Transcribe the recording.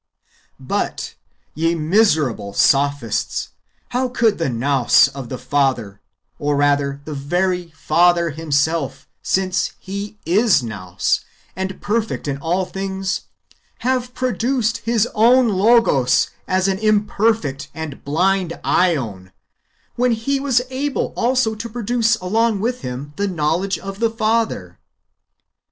But, ye miserable sophists, how could the Nous of the Father, or rather the very Father Himself, since He is Nous and perfect in all things, have produced his own Logos as an imperfect and blind ^on, when He was able also to pro duce along with him the knowledge of the Father